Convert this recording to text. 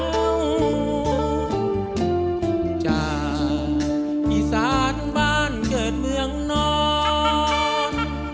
ส่วนจ้าพี่สานบ้านเกิดเมืองนอน